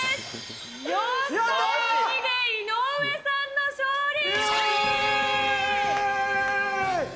４対２で井上さんの勝利！